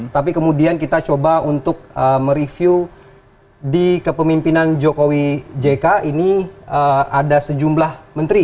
tapi kemudian kita coba untuk mereview di kepemimpinan jokowi jk ini ada sejumlah menteri